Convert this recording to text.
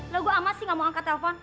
loh gue amat sih nggak mau angkat telepon